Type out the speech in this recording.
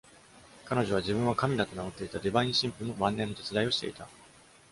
彼女は、自分は神だと名乗っていたディバイン神父の晩年の手伝いをしていた。